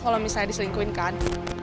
kalau misalnya diselingkuhin kan